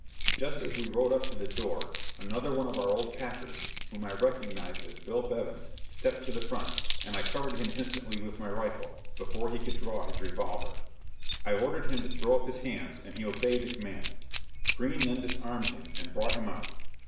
Just as we rode up to the door, another one of our old packers, whom I recognized as Bill Bevins, stepped to the front, and I covered him instantly with my rifle before he could draw his revolver. I ordered him to throw up his hands, and he obeyed the command. Green then disarmed him and brought him out.